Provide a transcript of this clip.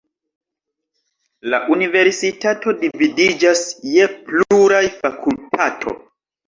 La universitato dividiĝas je pluraj fakultato.